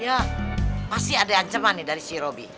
ya pasti ada ancaman nih dari si robby